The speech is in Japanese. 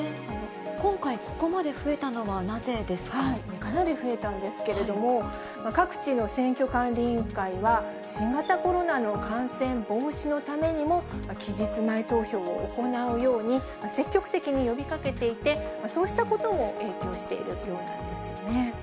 今回、ここまで増えたのはなかなり増えたんですけれども、各地の選挙管理委員会は、新型コロナの感染防止のためにも、期日前投票を行うように、積極的に呼びかけていて、そうしたことも影響しているようなんですよね。